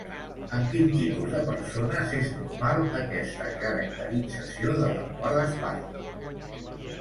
En quin tipus de persones és normal aquesta caracterització de la qual es parla?